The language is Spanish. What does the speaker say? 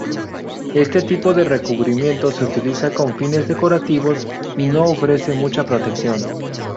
Este tipo de recubrimiento se utiliza con fines decorativos y no ofrece mucha protección.